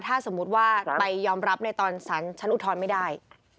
ถ้าสมมุติว่าไปยอมรับในตอนสารชั้นอุทธรณ์ไม่ได้